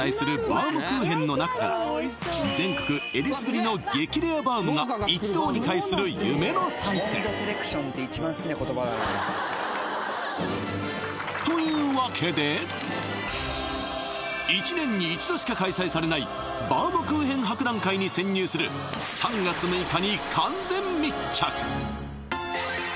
バウムクーヘンの中から全国えりすぐりのが一堂に会する夢の祭典というわけで１年に１度しか開催されないバウムクーヘン博覧会に潜入する３月６日に完全密着